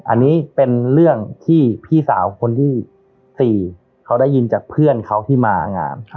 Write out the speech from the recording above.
อันนี้เป็นเรื่องที่พี่สาวคนที่๔เขาได้ยินจากเพื่อนเขาที่มางาน